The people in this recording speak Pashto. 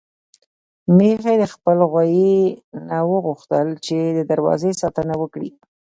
ميښې د خپل غويي نه وغوښتل چې د دروازې ساتنه وکړي.